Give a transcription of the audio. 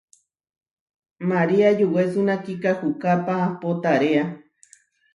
María yuwésuna kikahúkápa ahpó taréa.